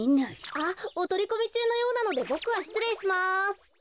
おとりこみちゅうのようなのでボクはしつれいします。